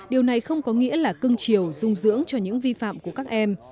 điều này không có nghĩa là cưng chiều dung dưỡng cho những vi phạm của các em